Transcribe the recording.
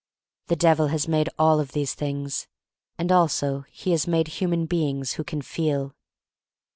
The Devil has made all of these things, and also he has made human beings who can feel.